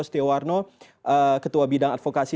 stiowarno ketua bidang advokasi